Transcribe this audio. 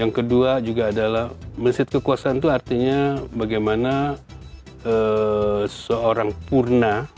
yang kedua juga adalah meset kekuasaan itu artinya bagaimana seorang purna